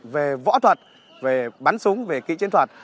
về võ thuật về bắn súng về kỹ chiến thuật